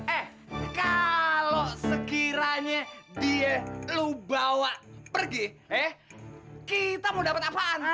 eh kalau sekiranya dia lu bawa pergi eh kita mau dapat apaan